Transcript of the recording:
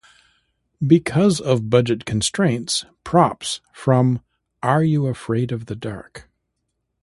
Because of budget constraints, props from Are You Afraid of the Dark?